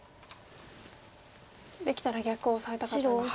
できたら逆をオサえたかったんですね。